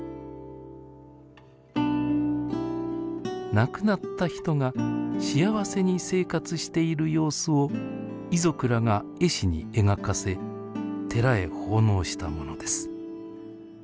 亡くなった人が幸せに生活している様子を遺族らが絵師に描かせ寺へ奉納したものです。